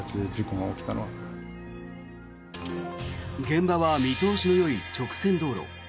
現場は見通しのよい直線道路。